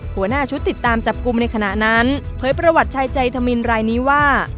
หัวหน้าชุดติดตามจับกลุ่มในขณะนั้นเผยประวัติชายใจธมินรายนี้ว่า